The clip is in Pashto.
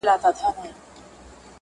په تنهایې کې غوږ ایښودل دي